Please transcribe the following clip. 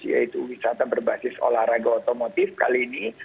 yaitu wisata berbasis olahraga otomotif kali ini